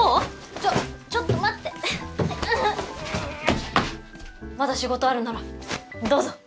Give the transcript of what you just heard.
ちょちょっと待ってうっうんまだ仕事あるならどうぞはぁ？